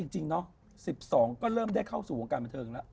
จริงเนาะ๑๒ก็เริ่มได้เข้าสู่วงการบันเทิงแล้ว